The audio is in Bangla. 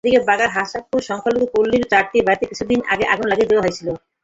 এদিকে বাঘার হাবাসপুর সংখ্যালঘু পল্লির চারটি বাড়িতে কিছুদিন আগে আগুন লাগিয়ে দেওয়া হয়েছিল।